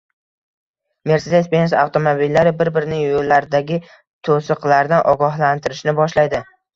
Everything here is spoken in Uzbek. Mercedes-Benz avtomobillari bir-birini yo‘llardagi to‘siqlardan ogohlantirishni boshlaydi